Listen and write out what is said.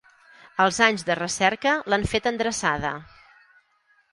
Els anys de recerca l'han fet endreçada.